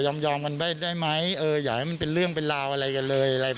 ยอมยอมกันได้ได้ไหมเอออยากให้มันเป็นเรื่องเป็นราวอะไรกันเลย